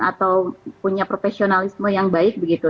atau punya profesionalisme yang baik begitu